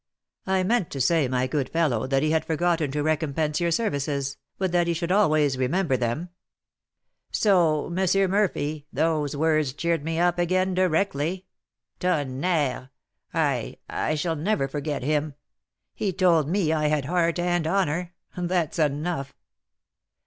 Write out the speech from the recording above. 'I meant to say, my good fellow, that he had forgotten to recompense your services, but that he should always remember them.' So, M. Murphy, those words cheered me up again directly. Tonnerre! I I shall never forget him. He told me I had heart and honour, that's enough."